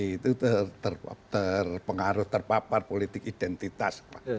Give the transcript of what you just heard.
itu terpengaruh terpapar politik identitas pak